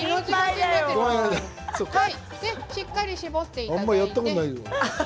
しっかり絞っていただいて。